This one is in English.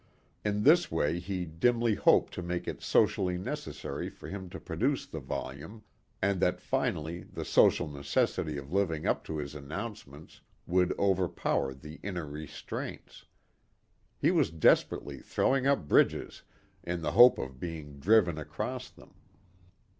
In this way he dimly hoped to make it socially necessary for him to produce the volume and that finally the social necessity of living up to his announcements would overpower the inner restraints. He was desperately throwing up bridges in the hope of being driven across them.